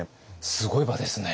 すごい場ですね。